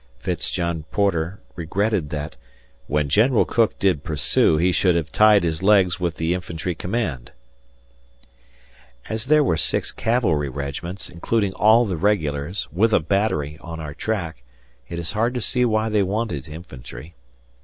Fitz John Porter regretted that "When General Cooke did pursue, he should have tied his legs with the infantry command." As there were six cavalry regiments, including all the regulars, with a battery, on our track, it is hard to see why they wanted infantry.